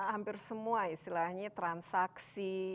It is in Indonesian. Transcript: hampir semua istilahnya transaksi